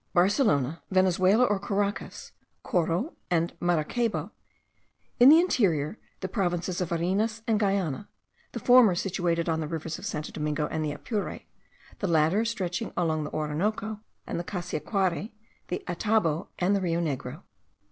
Barcelona, Venezuela or Caracas, Coro, and Maracaybo; in the interior, the provinces of Varinas and Guiana; the former situated on the rivers of Santo Domingo and the Apure, the latter stretching along the Orinoco, the Casiquiare, the Atabapo, and the Rio Negro.